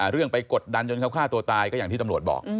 เรื่องไปกดดันจนเขาฆ่าตัวตายก็อย่างที่ตำรวจบอก